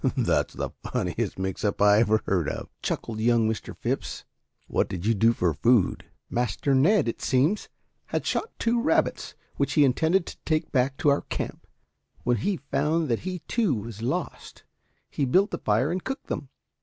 "That's the funniest mix up I ever heard of," chuckled young Mr. Phipps. "What did you do for food?" "Master Ned, it seems, had shot two rabbits which he intended to take back to our camp. When he found that he too was lost, he built a fire and cooked them.